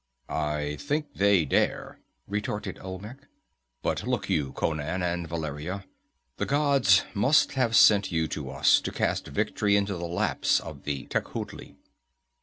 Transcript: "I think they dare," retorted Olmec. "But look you, Conan and Valeria, the gods must have sent you to us, to cast victory into the laps of the Tecuhltli!